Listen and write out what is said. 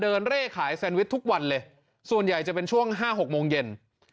เร่ขายแซนวิชทุกวันเลยส่วนใหญ่จะเป็นช่วง๕๖โมงเย็น